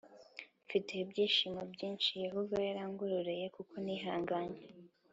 Mfite ibyishimo byinshi Yehova yarangororeye kuko nihanganye